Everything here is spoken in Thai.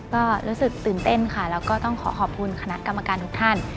ก็รู้สึกตื่นเต้นค่ะแล้วก็ต้องขอขอบคุณคณะกรรมการทุกท่าน